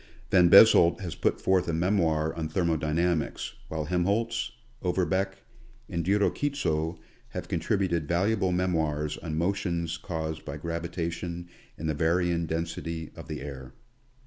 Van Bezold has put forth a memoir on thermodynamics, while Helmholtz, Oberbeck, and Diro Kitso have contributed valuable memoirs on motions caused by gravitation and the varying den sity of the air.